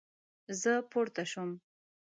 زه پورته شوم